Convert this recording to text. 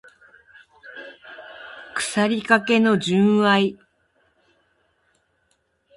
腐りかけの純愛